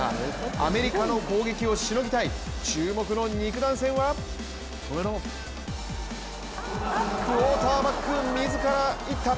アメリカの攻撃をしのぎたい注目の肉弾戦はクオーターバック自ら行った。